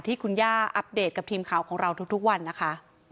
ที่คุณย่าอัปเดตกับทีมข่าวของเราทุกวันนะคะ